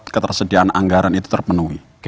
ketersediaan anggaran itu terpenuhi